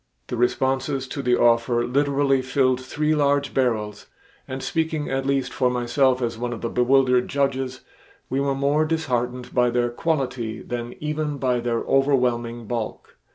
The responses to the offer literally filled three large barrels and speaking at least for myself as one of the bewildered judges, we were more disheartened by their quality than even by their overwhelming bulk.